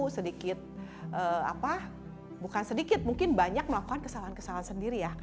sedikit apa bukan sedikit mungkin banyak melakukan kesalahan kesalahan sendiri ya